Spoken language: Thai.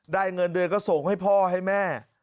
เงินเดือนก็ส่งให้พ่อให้แม่